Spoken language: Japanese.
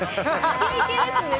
イケイケですね